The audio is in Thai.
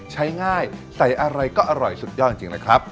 ใช้ง่ายใส่อะไรก็อร่อยสุดยอดจริงนะครับ